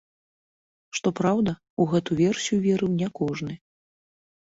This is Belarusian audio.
Што праўда, у гэту версію верыў не кожны.